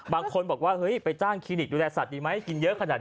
บางคนบอกว่าเฮ้ยไปจ้างคลินิกดูแลสัตว์ดีไหมกินเยอะขนาดนี้